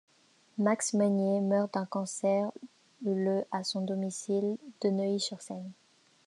Max Meynier meurt d'un cancer le à son domicile de Neuilly-sur-Seine.